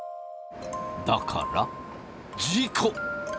だから事故！